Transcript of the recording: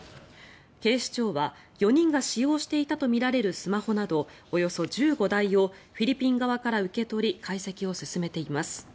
警視庁は４人が使用していたとみられるスマホなどおよそ１５台をフィリピン側から受け取り解析を進めています。